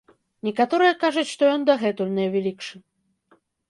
Некаторыя кажуць, што ён дагэтуль найвялікшы.